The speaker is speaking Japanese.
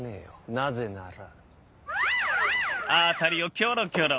なぜなら。